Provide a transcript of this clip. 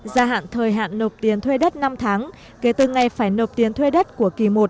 gia hạn thời hạn nộp tiền thuế đất năm tháng kể từ ngày phải nộp tiền thuế đất của kỳ i